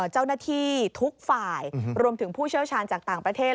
เจ้าหน้าที่ทุกฝ่ายรวมถึงผู้เชี่ยวชาญจากต่างประเทศ